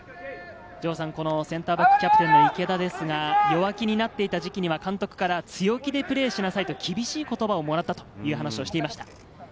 センターバック、キャプテンの池田ですが、弱気になっていた時期には監督から強気でプレーしなさいと厳しい言葉をもらったという話をしていました。